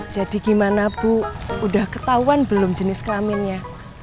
jadi gimana bu udah ketahuan belum jenis kelaminnya